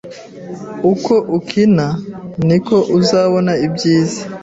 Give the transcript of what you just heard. Uko ukina, niko uzabona ibyiza.